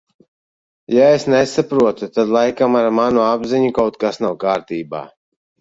Ja es nesaprotu, tad laikam ar manu apziņu kaut kas nav kārtībā.